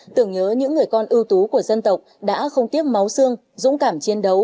tưởng nhớ những người con ưu tú của dân tộc đã không tiếc máu xương dũng cảm chiến đấu